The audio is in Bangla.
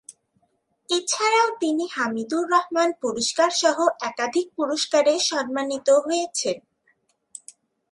এছাড়াও তিনি হামিদুর রহমান পুরস্কার সহ একাধিক পুরস্কারে সম্মানিত হয়েছেন।